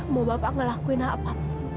mau bapak ngelakuin apa